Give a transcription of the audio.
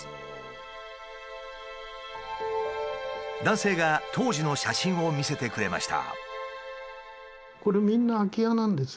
男性が当時の写真を見せてくれました。